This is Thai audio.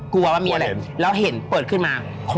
กลัวว่ามีอะไรแล้วเห็นเปิดขึ้นมา